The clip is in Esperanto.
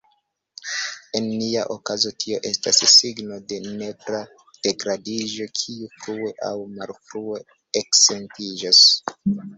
En nia okazo tio estas signo de nepra degradiĝo, kiu frue aŭ malfrue eksentiĝos.